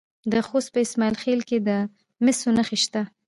د خوست په اسماعیل خیل کې د مسو نښې شته.